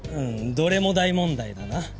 どれも大問題だな。